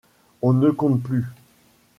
On ne compte plus…